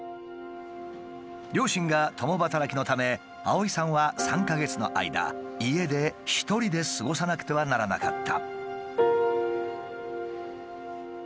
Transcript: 両親が共働きのため碧さんは３か月の間家で一人で過ごさなくてはならなかった。